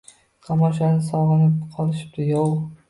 Tomoshani sog‘inib qolishiptimi yo?